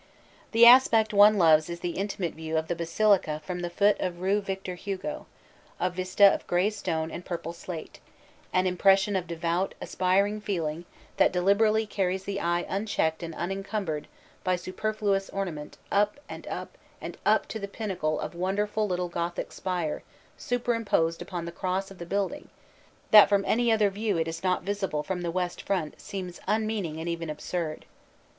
The aspect one loves is the intimate view of the basilica from the foot of Rue Victor Hugo, a vista of gray stone and purple slate, an impression of devout aspiring feeling that deliberately carries the eye unchecked and unencumbered by superfluous ornament up and up and up to the pinnacle of the wonderful little Gothic spire super imposed upon the cross of the building that from any other view it is not visible from the west front seems unmeaning and even absurd.